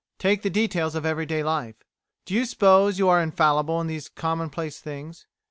Take the details of everyday life. Do you suppose you are infallible in these commonplace things?